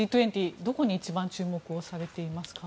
どこに一番注目されていますか？